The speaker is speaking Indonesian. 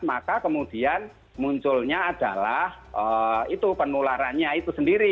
maka kemudian munculnya adalah itu penularannya itu sendiri